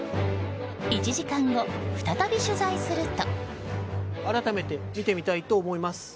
１時間後、再び取材すると。